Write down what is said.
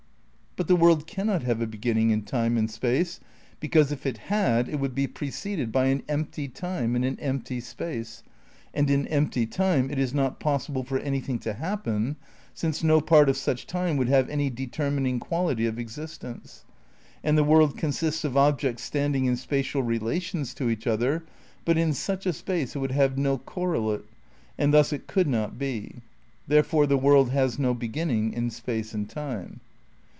But the world cannot have a beginning in time and space, because if it had, it would be preceded by an empty time and an empty space, and in empty time it is not possible for anything to happen, since no part of such time would have any determining quality of ex istence. And the world consists of objects standing in spatial relations to each other, but in such a space it would have no correlate and thus it could not be. There fore the world has no beginning in space and time.